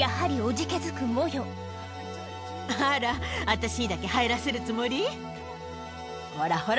私にだけ入らせるつもり？